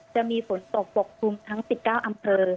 จะมีฝนตกปกคลุมทั้ง๑๙อำเภอ